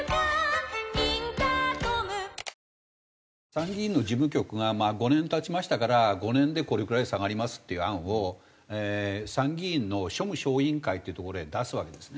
参議院の事務局が５年経ちましたから５年でこれくらい下がりますっていう案を参議院の庶務小委員会っていうところへ出すわけですね。